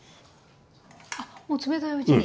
あっもう冷たいうちに。